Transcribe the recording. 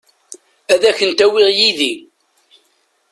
Ad kent-awiɣ yid-i.